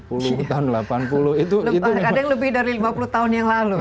kadang lebih dari lima puluh tahun yang lalu